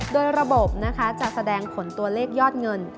โดยระบบนะคะจะแสดงผลตัวเลขยอดเงิน